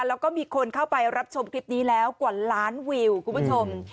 แล้วก็มีคนเข้าไปรับชมคลิปนี้แล้วกว่าล้านวิวคุณผู้ชม